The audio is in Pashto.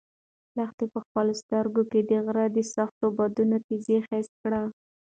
لښتې په خپلو سترګو کې د غره د سختو بادونو تېزي حس کړه.